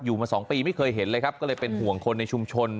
มาสองปีไม่เคยเห็นเลยครับก็เลยเป็นห่วงคนในชุมชน